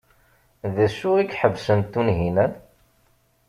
D acu ay iḥebsen Tunhinan?